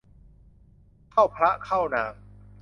เข้าพระเข้านาง